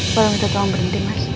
boleh kita tolong berhenti mas